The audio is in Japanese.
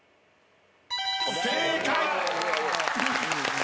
正解！